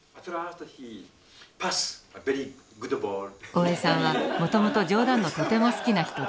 大江さんはもともと冗談のとても好きな人です。